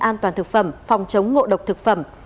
an toàn thực phẩm phòng chống ngộ độc thực phẩm